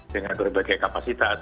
dengan berbagai kapasitas